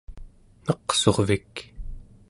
neqsurvik